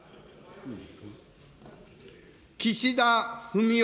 岸田文雄